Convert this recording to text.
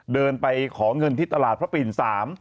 เดินไปขอเงินที่ตลาดพระปิ่น๓